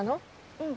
うん。